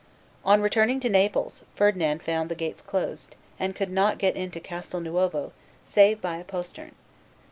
On returning to Naples, Ferdinand found the gates closed, and could not get into Castel Nuovo save by a postern.